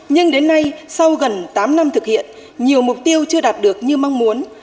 nhưng đến nay sau gần tám năm thực hiện nhiều mục tiêu chưa đạt được như mong muốn